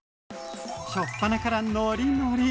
初っぱなからノリノリ。